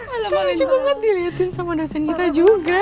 itu lucu banget diliatin sama dosen kita juga